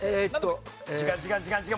時間時間時間時間！